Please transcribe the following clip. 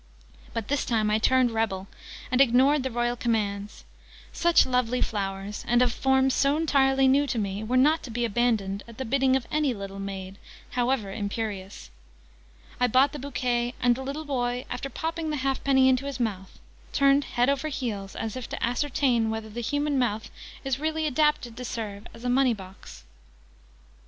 But this time I turned rebel, and ignored the royal commands. Such lovely flowers, and of forms so entirely new to me, were not to be abandoned at the bidding of any little maid, however imperious. I bought the bouquet: and the little boy, after popping the halfpenny into his mouth, turned head over heels, as if to ascertain whether the human mouth is really adapted to serve as a money box.